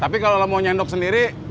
tapi kalau mau nyendok sendiri